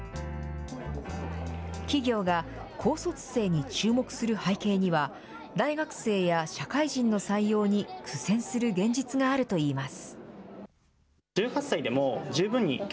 企業が高卒生に注目する背景には、大学生や社会人の採用に苦戦する現実があるといいます。